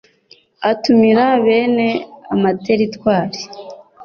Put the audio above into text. atumira bene amateritwari